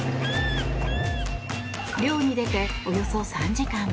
漁に出ておよそ３時間。